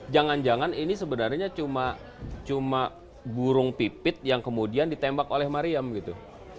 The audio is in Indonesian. jangan jangan ini sebenarnya cuma burung pipit yang kemudian ditembak oleh mariam gitu